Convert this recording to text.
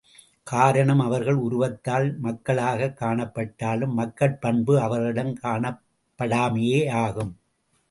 காரணம் அவர்கள் உருவத்தால் மக்களாகக் காணப்பட்டாலும், மக்கட்பண்பு அவர்களிடம் காணப்படாமையே யாகும்.